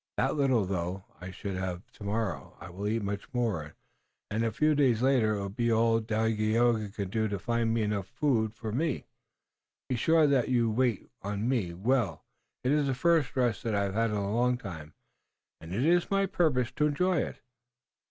That little, though, I should have. Tomorrow I will eat much more, and a few days later it will be all Dagaeoga can do to find enough food for me. Be sure that you wait on me well. It is the first rest that I have had in a long time, and it is my purpose to enjoy it.